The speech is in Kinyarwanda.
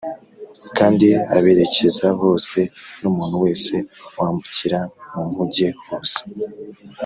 Kandi aberekeza bose n’umuntu wese wambukira mu nkuge hose,